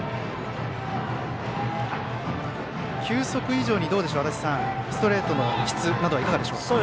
球速以上にストレートの質などはいかがでしょうか。